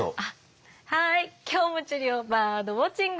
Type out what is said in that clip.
はい！